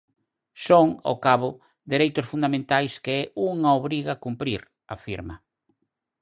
Son, ao cabo, dereitos fundamentais que é "unha obriga" cumprir, afirma.